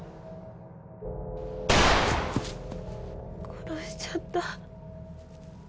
殺しちゃった。